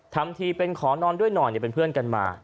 ทำทีเป็นขอนอนด้วยหน่อยเป็นเพื่อนกันมา